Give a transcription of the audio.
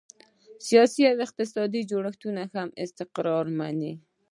سیاسي او اقتصادي جوړښتونه هم استقرار مومي.